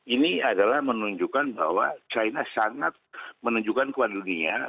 ini adalah menunjukkan bahwa china sangat menunjukkan kewadilinya